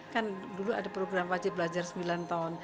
kan dulu ada program wajib belajar sembilan tahun